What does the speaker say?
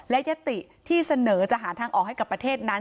และยติที่เสนอจะหาทางออกให้กับประเทศนั้น